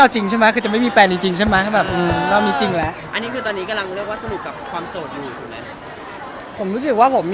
และยกรับและยกรับและยกรับและยกรับและยกรับและยกรับและยกรับ